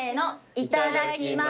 いただきます。